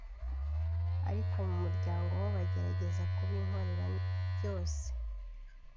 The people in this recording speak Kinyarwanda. ariko mu muryango ho bagerageza kubinkorera byose